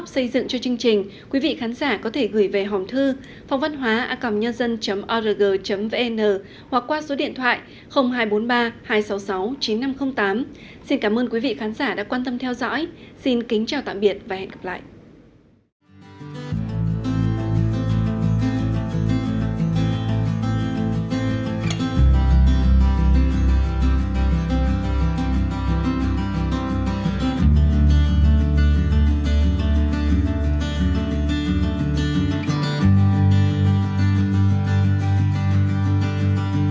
xin chào tạm biệt và hẹn gặp lại